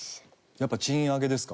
やっぱ賃上げか。